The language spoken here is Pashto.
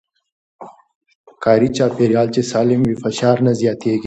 کاري چاپېريال چې سالم وي، فشار نه زياتېږي.